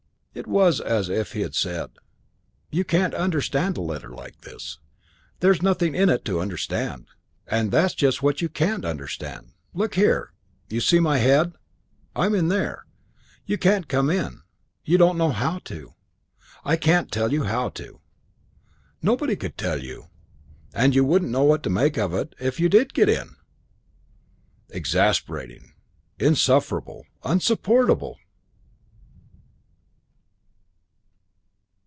It was as if he had said, "You can't understand a letter like this. There's nothing in it to understand. And that's just what you can't understand. Look here, you see my head. I'm in there. You can't come in. You don't know how to. I can't tell you how to. Nobody could tell you. And you wouldn't know what to make of it if you did get in." Exasperating. Insufferable. Insupportable!